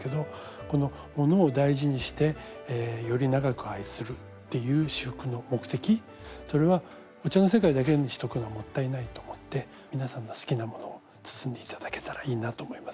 このものを大事にしてより長く愛するっていう仕覆の目的それはお茶の世界だけにしとくのはもったいないと思って皆さんの好きなものを包んで頂けたらいいなと思います。